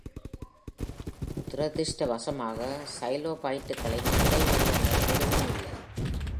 துரதிர்ஷ்டவசமாக, சைலோபைட்டுகளின் புதைபடிவங்கள் எதுவும் இல்லை.